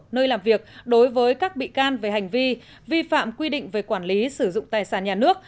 nơi làm việc đối với các bị can về hành vi vi phạm quy định về quản lý sử dụng tài sản nhà nước